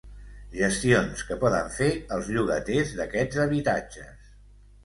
Gestions que poden fer els llogaters d'aquests habitatges.